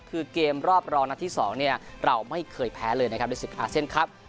คือเกมรอบรองนัดที่๒เราไม่เคยแพ้เลยนะครับในศึกอาเซียนครับ